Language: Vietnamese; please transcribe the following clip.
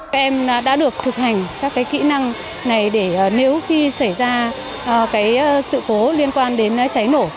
các em đã được thực hành các kỹ năng này để nếu khi xảy ra sự cố liên quan đến cháy nổ